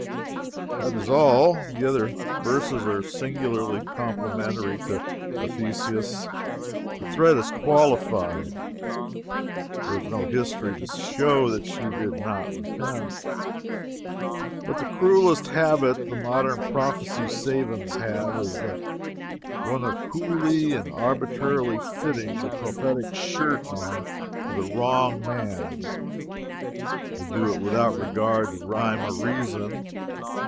That is all; the other verses are singularly complimentary to Ephesus. The threat is qualified. There is no history to show that she did not repent. But the cruelest habit the modern prophecy savans have, is that one of coolly and arbitrarily fitting the prophetic shirt on to the wrong man. They do it without regard to rhyme or reason.